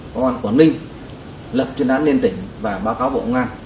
công an quảng ninh lập chuyên án lên tỉnh và báo cáo bộ ngoan